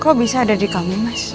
kok bisa ada di kamu mas